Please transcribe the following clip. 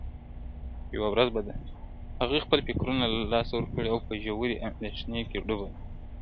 • هغې خپل فکرونه له لاسه ورکړي او په ژورې لانديښنې کي ډوبه ده,